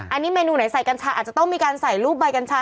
อันนี้เมนูไหนใส่กัญชาอาจจะต้องมีการใส่รูปใบกัญชา